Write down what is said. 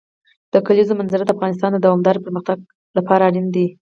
د کلیزو منظره د افغانستان د دوامداره پرمختګ لپاره اړین دي.